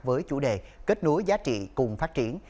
với chủ đề kết nối giá trị cùng phát triển